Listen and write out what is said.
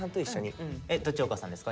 どっちお母さんですか？